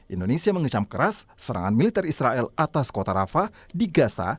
indonesia mengecam keras serangan militer israel atas kota rafah di gaza